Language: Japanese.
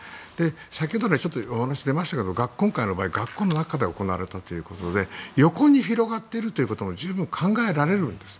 先ほど来、お話が出ましたけど今回の場合、学校で行われたということで横に広がっているということも十分考えられるんです。